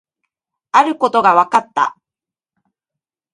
あることが分かった